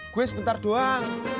gue sebentar doang